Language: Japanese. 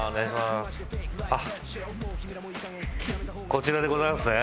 こちらでございますね。